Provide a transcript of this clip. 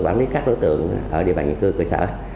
quản lý các đối tượng ở địa bàn dân cư cơ sở